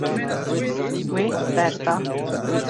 Wê berda.